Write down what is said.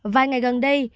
vài ngày gần đây